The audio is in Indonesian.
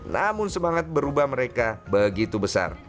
namun semangat berubah mereka begitu besar